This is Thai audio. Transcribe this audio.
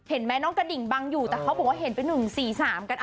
เห็นไหมน้องกระดิ่งบังอยู่แต่เขาบอกว่าเห็นเป็น๑๔๓กัน